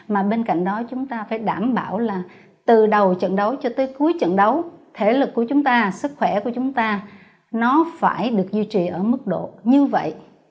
mà bên cạnh đó chúng ta phải đảm bảo là từ đầu trận đấu cho tới cuối trận đấu thể lực của chúng ta sức khỏe của chúng ta nó phải được duy trì ở mức độ như vậy